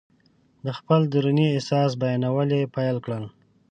د خپل دروني احساس بیانول یې پیل کړل.